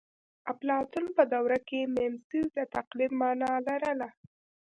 اپلاتون په دوره کې میمیسیس د تقلید مانا لرله